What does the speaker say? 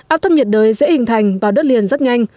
áp thấp nhiệt đới sẽ hình thành vào đất liền rất nhanh